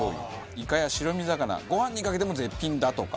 イカや白身魚ご飯にかけても絶品だとか。